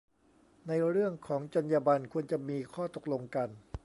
ในเรื่องของจรรยาบรรณ ควรจะมีข้อตกลงกัน